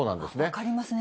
分かりますね。